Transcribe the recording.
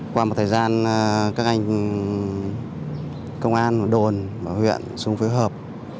qua một thời gian các anh công an đồn huyện xuống phía hợp